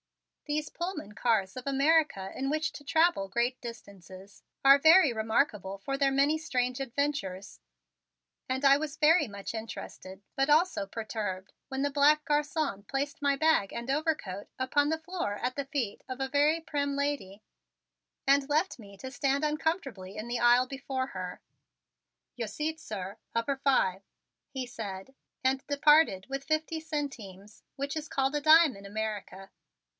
These Pullman cars of America in which to travel great distances, are very remarkable for their many strange adventures, and I was very much interested but also perturbed when the black garçon placed my bag and overcoat upon the floor at the feet of a very prim lady and left me to stand uncomfortably in the aisle before her. "Your seat, sir, upper five," he said, and departed with my fifty centimes, which is called a dime in America.